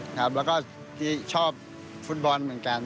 ครับแล้วก็ชอบฟุตบอลเหมือนกัน